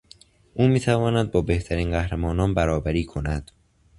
او میتواند با بهترین قهرمانان برابری کند.